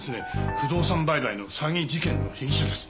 不動産売買の詐欺事件の被疑者です。